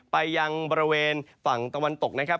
ไปยังบริเวณฝั่งตะวันตกนะครับ